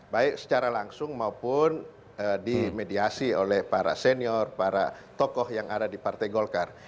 baik secara langsung maupun dimediasi oleh para senior para tokoh yang ada di partai golkar